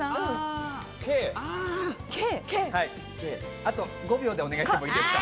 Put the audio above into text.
あと５秒でお願いしてもいいですか？